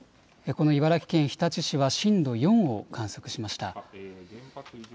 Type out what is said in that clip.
この茨城県日立市は震度４を観測しました。